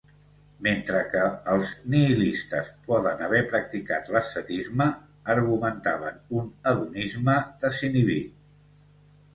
Mentre que els nihilistes poden haver practicat l'ascetisme, argumentaven un hedonisme desinhibit.